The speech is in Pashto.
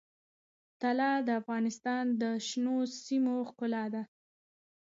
طلا د افغانستان د شنو سیمو ښکلا ده.